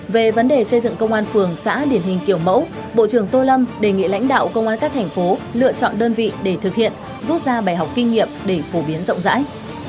về vấn đề xây dựng công an phường xã điển hình kiểu mẫu bộ trưởng tô lâm đề nghị lãnh đạo công an các thành phố lựa chọn đơn vị để thực hiện rút ra bài học kinh nghiệm để phổ biến rộng rãi